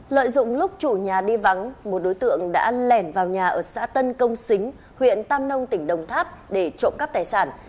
lợi dụng lúc chủ nhà đi vắng một đối tượng đã lẻn vào nhà ở xã tân công xính huyện tam nông tỉnh đồng tháp để trộm cắp tài sản